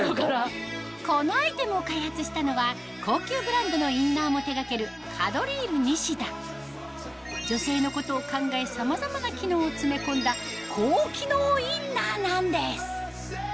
このアイテムを開発したのは高級ブランドのインナーも手掛ける女性のことを考えさまざまな機能を詰め込んだ高機能インナーなんです